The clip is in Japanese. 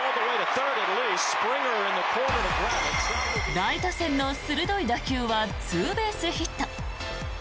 ライト線の鋭い打球はツーベースヒット。